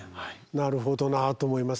なるほどなと思いますね。